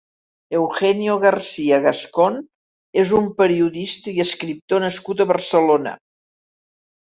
Eugenio García Gascón és un periodista i escriptor nascut a Barcelona.